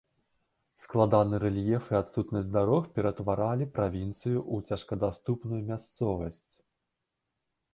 Складаны рэльеф і адсутнасць дарог ператваралі правінцыю ў цяжкадаступную мясцовасць.